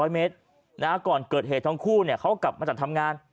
๒๐๐เมตรนะก่อนเกิดเหตุทั้งคู่เนี่ยเขากลับมาจัดทำงาน